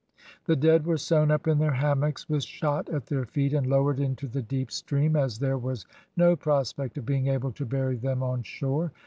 The dead were sewn up in their hammocks with shot at their feet, and lowered into the deep stream, as there was no prospect of being able to bury them on shore.